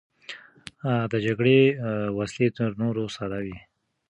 د جګړې وسلې تر نورو ساده وې.